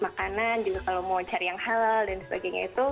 makanan juga kalau mau cari yang halal dan sebagainya itu